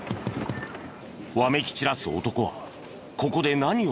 わめき散らす男はここで何をしたのか？